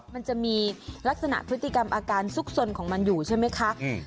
มันจะมีลักษณะพฤติกรรมอาการซุกสนของมันอยู่ใช่ไหมคะ